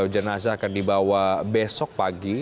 jenazah akan dibawa besok pagi